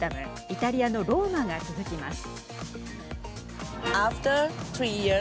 イタリアのローマが続きます。